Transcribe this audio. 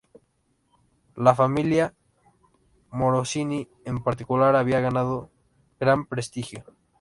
La familia Morosini en particular había ganado gran prestigio.